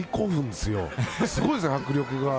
すごいですね、迫力が。